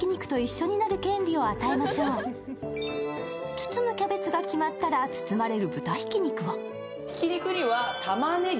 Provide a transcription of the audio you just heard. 包むキャベツが決まったら、包まれる豚ひき肉を。